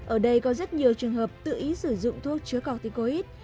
ở đây có rất nhiều trường hợp tự ý sử dụng thuốc chứa corticoid